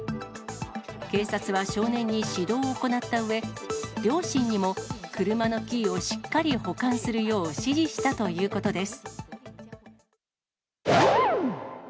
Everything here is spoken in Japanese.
警察は少年に指導を行ったうえ、両親にも、車のキーをしっかり保管するよう指示したということです。